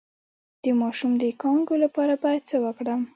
د ماشوم د کانګو لپاره باید څه وکړم؟